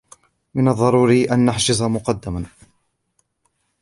من الضروري أن نحجز مقدمًا.